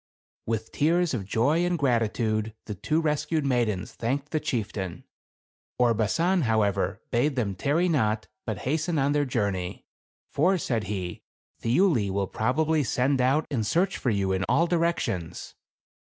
With tears of joy and gratitude the two res cued maidens thanked the chieftain. Orbasan, however, bade them tarry not, but hasten on their journey. For, said he, "Thiuli will proba bly send out and search for you in all directions."